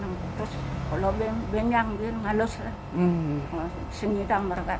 terus kalau bing bing yang diri halusnya senyidang mereka